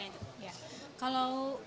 jadi memang tidak di endorse tapi gratis